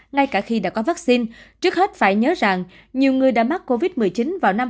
ngay cả khi đã có vaccine trước hết phải nhớ rằng nhiều người đã mắc covid một mươi chín vào năm hai nghìn hai mươi